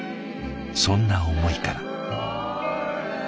そんな思いから。